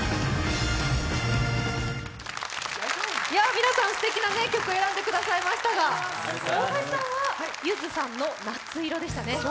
皆さん、すてきな曲を選んでくれましたが、大橋さんはゆずさんの「夏色」でしたね。